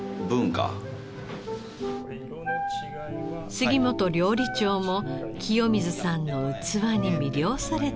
杉本料理長も清水さんの器に魅了された一人。